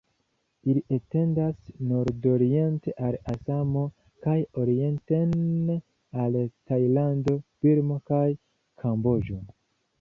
Ili etendas nordoriente al Asamo kaj orienten al Tajlando, Birmo kaj Kamboĝo.